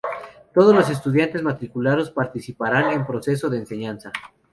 Todos los estudiantes matriculados participarán en un proceso de enseñanza.